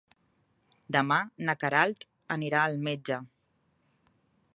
Demà na Queralt anirà al metge.